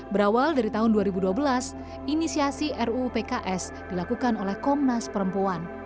berawal dari tahun dua ribu dua belas inisiasi ruu pks dilakukan oleh komnas perempuan